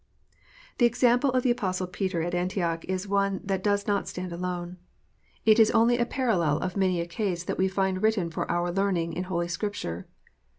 The example of the Apostle Peter at Antioch is one that does not stand alone. It is only a parallel of many a case that we find written for our learning in Holy Scripture.